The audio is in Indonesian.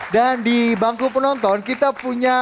dan di bangku penonton kita punya